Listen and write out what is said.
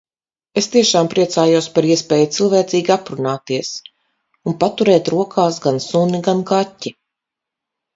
Es tiešām priecājos par iespēju cilvēcīgi aprunāties. Un paturēt rokās gan suni, gan kaķi.